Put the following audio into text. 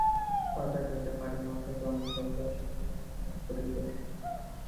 কথা কহিতে পারি না, অথচ অন্ধভাবে সকলই অনুভব করিতেছি।